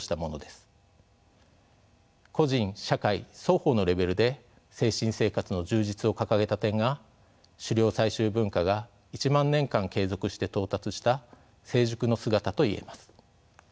個人・社会双方のレベルで「精神生活の充実」を掲げた点が狩猟採集文化が１万年間継続して到達した成熟の姿と言えます。